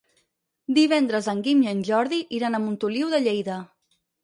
Divendres en Guim i en Jordi iran a Montoliu de Lleida.